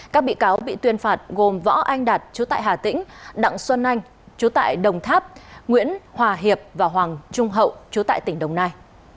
các bị cáo bị tuyên phạt gồm võ anh đạt chú tại hà tĩnh đặng xuân anh chú tại đồng tháp nguyễn hòa hiệp và hoàng trung hậu chú tại tỉnh đồng nai